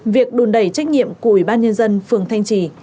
việc đùn đẩy trách nhiệm của ủy ban nhân dân phường thanh trì